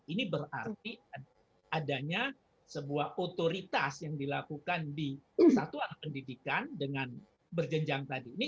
ini berarti adanya sebuah otoritas yang dilakukan di satuan pendidikan dengan berjenjang tadi ini